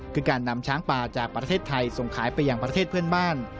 คือการนำช้างป่าจากประเทศไทยส่งขายไปอย่างประเทศเพื่อนบ้าน